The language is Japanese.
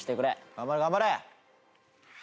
頑張れ頑張れ。